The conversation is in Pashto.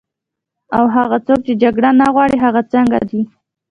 او هغه څوک چې جګړه نه غواړي، هغه څنګه دي؟